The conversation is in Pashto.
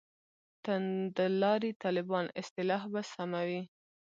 «توندلاري طالبان» اصطلاح سمه به وي.